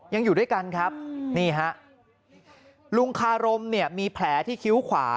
ยังอยู่ด้วยกันครับนี่ฮะลุงคารมเนี่ยมีแผลที่คิ้วขวา